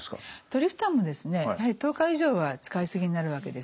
トリプタンもですねやはり１０日以上は使いすぎになるわけです。